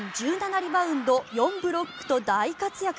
リバウンド４ブロックと大活躍。